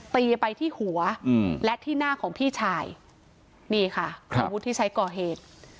ตีไปที่หัวและที่หน้าของพี่ชายนี่ค่ะอาวุธที่ใช้ก่อเหตุ